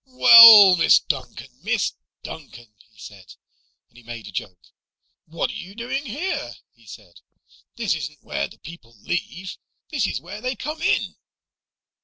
"Well, Miss Duncan! Miss Duncan!" he said, and he made a joke. "What are you doing here?" he said. "This isn't where the people leave. This is where they come in!"